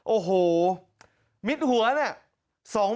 โอ้โหมิดหัวเนี่ย